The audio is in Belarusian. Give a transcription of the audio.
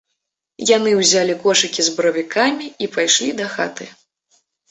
Яны ўзялі кошыкі з баравікамі і пайшлі дахаты.